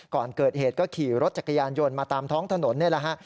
ก่อนเกิดเหตุก็ขี่รถจักรยานยนต์มาตามท้องถนนนี่แหละฮะ